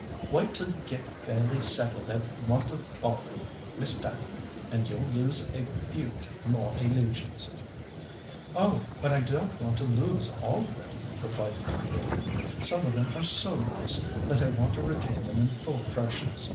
Wait till you get fairly settled at Wantabalree, Miss Dacre, and you'll lose a few more illusions." "Oh! but I don't want to lose all of them," replied the young lady. "Some of them are so nice, that I want to retain them in full freshness.